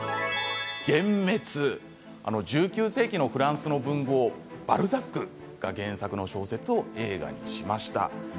「幻滅」１９世紀のフランスの文豪バルザックが原作の小説を映画にしました。